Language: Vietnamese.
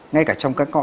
ngay cả trong các cọ nhỏ